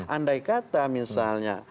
andai kata misalnya